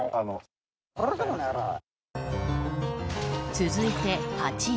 続いて、８位。